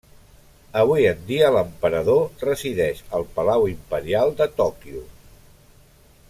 Avui en dia, l'emperador resideix al Palau Imperial de Tòquio.